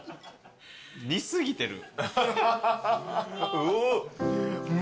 似過ぎてる。